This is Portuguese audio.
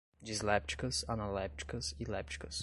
dislépticas, analépticas e lépticas